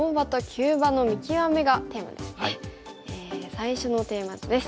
最初のテーマ図です。